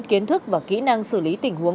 kiến thức và kỹ năng xử lý tình huống